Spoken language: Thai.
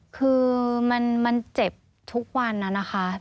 คือมันเจ็บทุกวันนะคะ